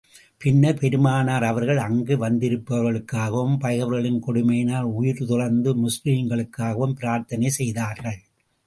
பின்னர், பெருமானார் அவர்கள், அங்கு வந்திருப்பவர்களுக்காகவும், பகைவர்களின் கொடுமையினால், உயிர் துறந்த முஸ்லிம்களுக்காகவும் பிரார்த்தனை செய்தார்கள்.